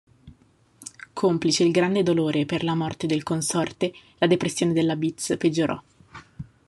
Complice il grande dolore per la morte del consorte, la depressione della Bates peggiorò.